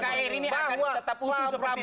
nkr ini akan tetap usuh seperti saat ini